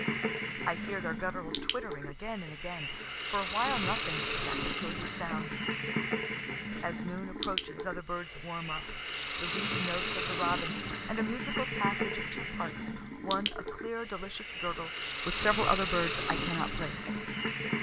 I hear their guttural twittering again and again; for awhile nothing but that peculiar sound. As noon approaches other birds warm up. The reedy notes of the robin, and a musical passage of two parts, one a clear delicious gurgle, with several other birds I cannot place.